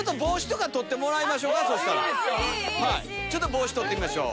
帽子取ってみましょう。